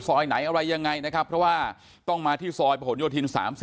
ซอยไหนอะไรยังไงนะครับเพราะว่าต้องมาที่ซอยผนโยธิน๓๐